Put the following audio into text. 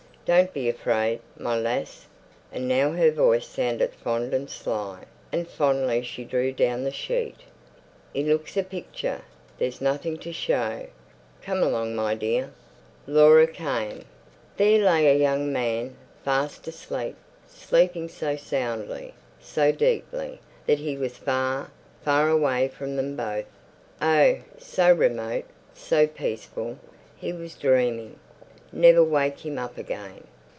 "Don't be afraid, my lass,"—and now her voice sounded fond and sly, and fondly she drew down the sheet—"'e looks a picture. There's nothing to show. Come along, my dear." Laura came. There lay a young man, fast asleep—sleeping so soundly, so deeply, that he was far, far away from them both. Oh, so remote, so peaceful. He was dreaming. Never wake him up again.